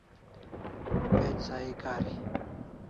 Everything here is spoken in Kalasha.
Page sahi kari